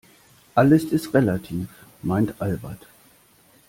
Alles ist relativ, meint Albert.